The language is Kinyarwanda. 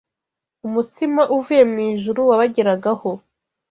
umutsima uvuye mu ijuru wabageragaho